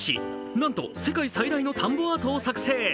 なんと世界最大の田んぼアートを作成。